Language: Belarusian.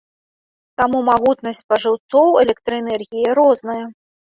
Таму магутнасць спажыўцоў электраэнергіі розная.